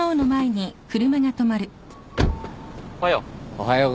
おはよう。